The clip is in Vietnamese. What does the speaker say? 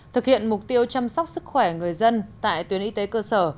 thực hiện mục tiêu chăm sóc sức khỏe người dân tại tuyến y tế cơ sở